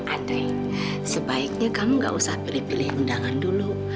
andre sebaiknya kamu gak usah pilih pilih undangan dulu